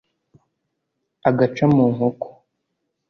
-Agaca mu nkoko.